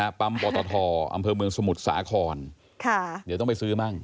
การทำบททอำเภอเมืองสมุทรสาขรเดี๋ยวต้องไปซื้อบ้าง